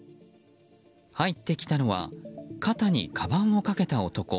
入ってきたのは肩にかばんをかけた男。